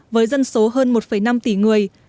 với dân số hơn một năm tỷ người